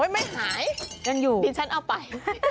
ไม่หายดิฉันเอาไป